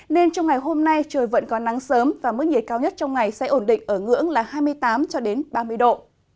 nên trong ngày hôm nay trời vẫn có nắng sớm và mức nhiệt cao nhất trong ngày sẽ ổn định ở ngưỡng là hai mươi tám ba mươi độ